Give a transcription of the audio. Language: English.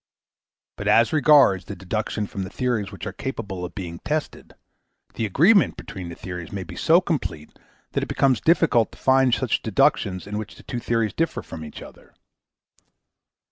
But as regards the deductions from the theories which are capable of being tested, the agreement between the theories may be so complete that it becomes difficult to find any deductions in which the two theories differ from each other.